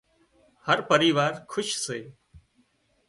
هر پريوار کُش سي